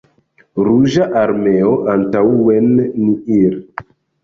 Ruĝa armeo, antaŭen ni ir'!